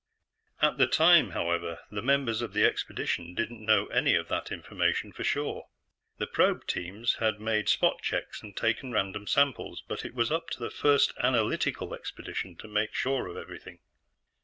At the time, however, the members of the expedition didn't know any of that information for sure. The probe teams had made spot checks and taken random samples, but it was up to the First Analytical Expedition to make sure of everything.